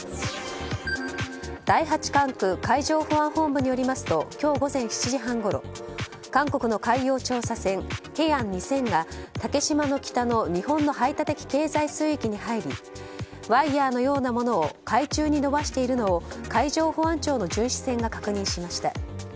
第８管区海上保安本部によりますと今日午前７時半ごろ韓国の海洋調査船「ＨａｅＹａｎｇ２０００」が竹島の北の日本の排他的経済水域に入りワイヤのようなものを海中に伸ばしているのを海上保安庁の巡視船が確認しました。